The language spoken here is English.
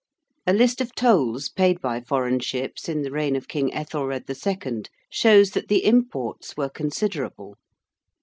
A list of tolls paid by foreign ships in the reign of King Ethelred II. shows that the imports were considerable.